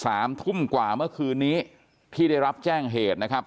สามทุ่มกว่าเมื่อคืนนี้ที่ได้รับแจ้งเหตุนะครับ